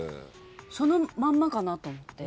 そのまんまかなと思って。